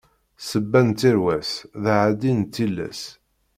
Ssebba n tirwas, d aɛaddi n tilas.